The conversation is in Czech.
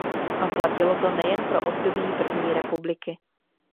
A platilo to nejen pro období první republiky.